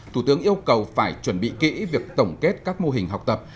thủ tướng yêu cầu phải chuẩn bị kỹ việc tổng kết các mô hình học tập